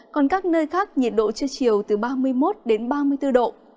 còn các nơi khác nhiệt độ chưa chiều từ ba mươi một đến ba mươi bốn độ